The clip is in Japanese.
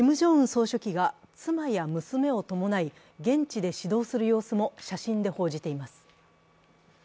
総書記が妻や娘を伴い現地で指導する様子も写真で報じています。